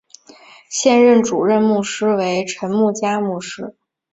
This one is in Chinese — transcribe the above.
现任主任牧师为陈淳佳牧师。